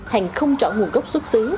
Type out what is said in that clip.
hàng không trọn nguồn gốc xuất xứ